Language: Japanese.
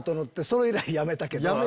それ以来やめたけど。